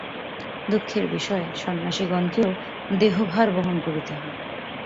দুঃখের বিষয়, সন্ন্যাসিগণকেও দেহভার বহন করিতে হয়।